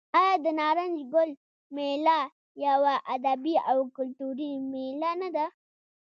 آیا د نارنج ګل میله یوه ادبي او کلتوري میله نه ده؟